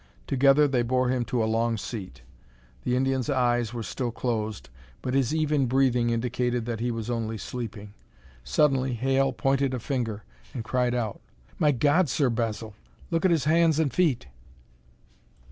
Together they bore him to a long seat. The Indian's eyes were still closed, but his even breathing indicated that he was only sleeping. Suddenly Hale pointed a finger and cried out. "My God, Sir Basil, look at his hands and feet!"